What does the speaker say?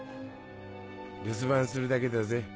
留守番するだけだぜ。